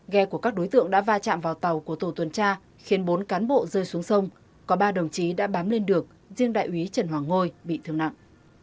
ghe của các đối tượng đã va chạm vào tàu của tổ tuần tra khiến bốn cán bộ rơi xuống sông có ba đồng chí đã bám lên được riêng đại úy trần hoàng ngôi bị thương nặng